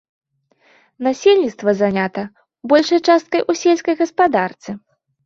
Насельніцтва занята большай часткай у сельскай гаспадарцы.